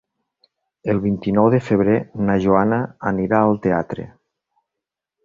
El vint-i-nou de febrer na Joana anirà al teatre.